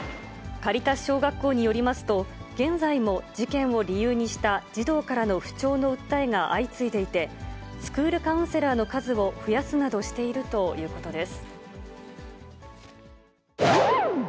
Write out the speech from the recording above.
カリタス小学校によりますと、現在も事件を理由にした児童からの不調の訴えが相次いでいて、スクールカウンセラーの数を増やすなどしているということです。